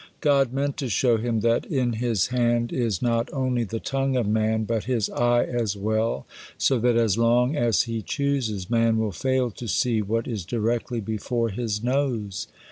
God meant to show him that in His hand is not only the tongue of man, but his eye as well, so that as long as He chooses, man will fail to see what is directly before his nose.